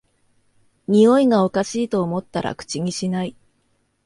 においがおかしいと思ったら口にしない